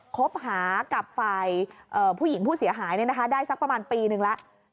คบหากับฝ่ายผู้หญิงผู้เสียหายได้สักประมาณปีนึงแล้ว